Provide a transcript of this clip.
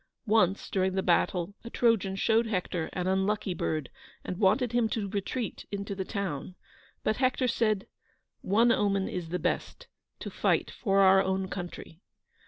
Once during the battle a Trojan showed Hector an unlucky bird, and wanted him to retreat into the town. But Hector said, "One omen is the best: to fight for our own country."